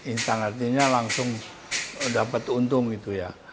instan artinya langsung dapat untung gitu ya